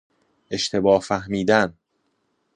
اشتباه فهمیدن